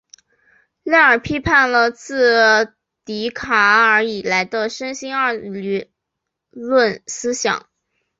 赖尔批判了自笛卡尔以来的身心二元论思想。